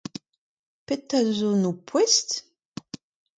Petra zo en ho poest ?